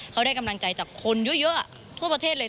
เขาได้กำลังใจจากคนเยอะทั่วประเทศเลย